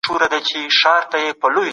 زاړه برسونه ژر بدل کړئ.